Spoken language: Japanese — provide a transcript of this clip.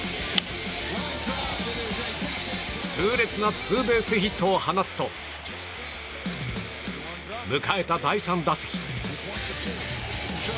痛烈なツーベースヒットを放つと迎えた第３打席。